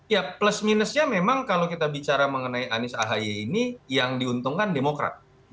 ya plus minusnya memang kalau kita bicara mengenai anies ahy ini yang diuntungkan demokrat